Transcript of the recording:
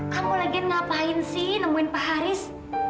kamu lagi ngapain sih nemuin pak haris